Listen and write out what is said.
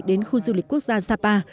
đến khu du lịch quốc gia sapa